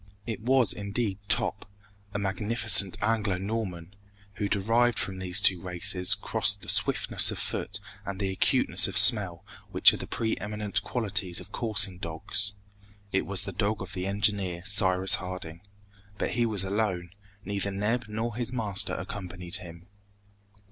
It was indeed Top, a magnificent Anglo Norman, who derived from these two races crossed the swiftness of foot and the acuteness of smell which are the preeminent qualities of coursing dogs. It was the dog of the engineer, Cyrus Harding. But he was alone! Neither Neb nor his master accompanied him!